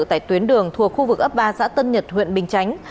tại tuyến đường thuộc khu vực ấp ba xã tân nhật huyện bình chánh